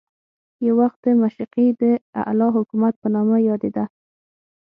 یو وخت د مشرقي د اعلی حکومت په نامه یادېده.